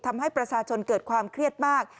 ทำให้ประชาชนเกิดความเครียดมาก